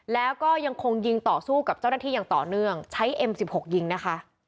แล้วก็ยังคงยิงต่อสู้กับเจ้าหน้าที่อย่างต่อเนื่องใช้เอ็มสิบหกยิงนะคะ